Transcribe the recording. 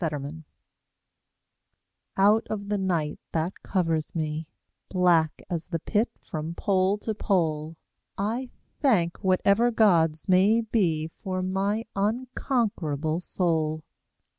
Y Z Invictus OUT of the night that covers me, Black as the Pit from pole to pole, I thank whatever gods may be For my unconquerable soul.